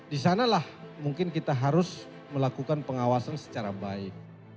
di sanalah mungkin kita harus melakukan pengawasan secara baik